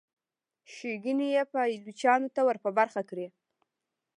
ښېګڼې یې پایلوچانو ته ور په برخه کړي.